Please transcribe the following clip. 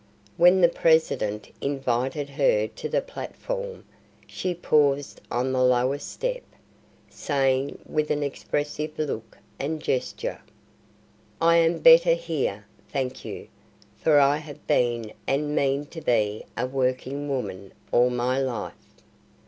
When the president invited her to the platform she paused on the lowest step, saying with an expressive look and gesture: "I am better here, thank you; for I have been and mean to be a working woman all my life."